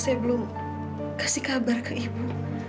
saya belum kasih kabar ke ibu